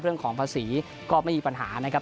เรื่องของภาษีก็ไม่มีปัญหานะครับ